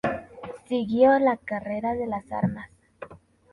Siguió la carrera de las armas.